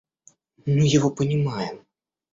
Мы его понимаем.